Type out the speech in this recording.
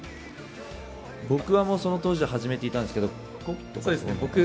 僕はもう、その当時は始めていたんですけど。